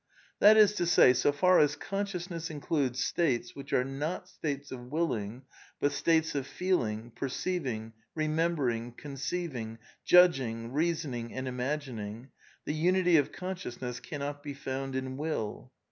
\ That is to say, so far as consciousness includes states I which are not states of willing, but states of feeling, per I ceiving, remembering, conceiving, judging, reasoning and I imagining, the unity of consciousness cannot be found in I Will.